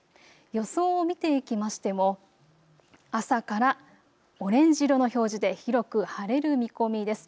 予想を見ていきましても朝からオレンジ色の表示で広く晴れる見込みです。